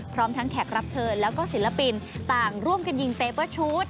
พร้อมทั้งแขกรับเชิญแล้วก็ศิลปินต่างร่วมกันยิงเปเปอร์ชูด